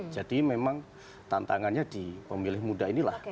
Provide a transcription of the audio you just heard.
jadi memang tantangannya di pemilih muda inilah